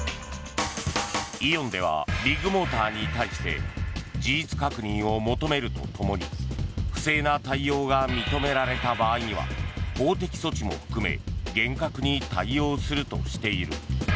イオンではビッグモーターに対して事実確認を求めるとともに不正な対応が認められた場合には法的措置も含め厳格に対応するとしている。